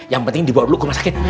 yang penting dibawa dulu ke rumah sakit